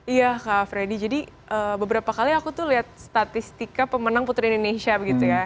iya kak freddy jadi beberapa kali aku tuh lihat statistika pemenang putri indonesia gitu ya